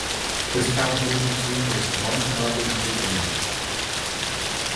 His talent agency is Watanabe Entertainment.